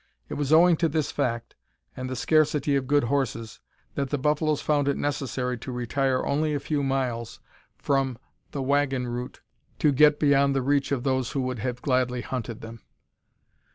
It was owing to this fact, and the scarcity of good horses, that the buffaloes found it necessary to retire only a few miles from the wagon route to get beyond the reach of those who would have gladly hunted them.